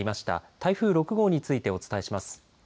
台風６号についてお伝えします。